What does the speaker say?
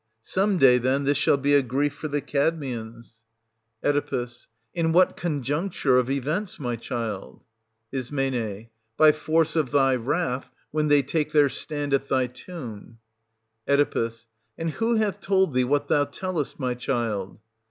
Some day, then, this shall be a grief for the Cadmeans. 76 SOPHOCLES. [410—440 410 Oe. In what conjuncture of events, my child ? Is. By force of thy wrath, when they take their stand at thy tomb. Oe. And who hath told thee what thou tellest, my child